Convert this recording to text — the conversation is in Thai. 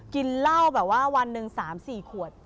กินเหล้าแบบว่าวันหนึ่ง๓๔ขวด